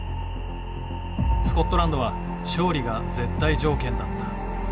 スコットランドは勝利が絶対条件だった。